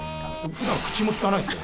ふだん、口も利かないですよ。